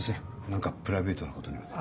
何かプライベートなことにまで。